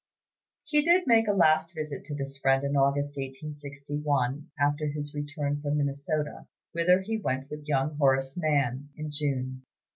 He did make a last visit to this friend in August, 1861, after his return from Minnesota, whither he went with young Horace Mann, in June.